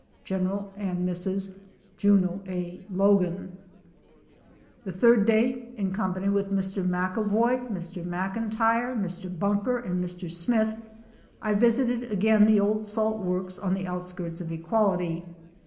(General and Mrs. Jno, A, Logan,) The third day, in company with Mr. McAvoy, Mr, Mclntyre, Mr. Bunker, and Mr. Scnith, I visited again the old salt works on the outskirts of Equality.